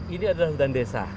ini adalah hutan desa